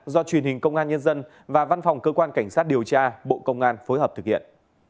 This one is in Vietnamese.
do truyền hình công an nhân dân và văn phòng cơ quan cảnh sát điều tra bộ công an phối hợp thực hiện